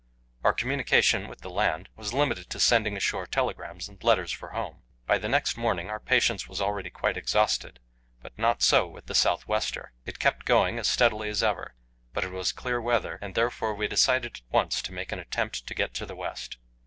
Our communication with the land was limited to sending ashore telegrams and letters for home. By the next morning our patience was already quite exhausted, but not so with the south wester. It kept going as steadily as ever, but it was clear weather, and therefore we decided at once to make an attempt to get to the west.